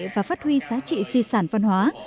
và phát huy giá trị di sản văn hóa